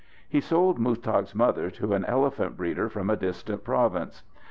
He sold Muztagh's mother to an elephant breeder from a distant province.